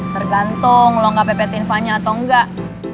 tergantung lo gak pepetin vanya atau enggak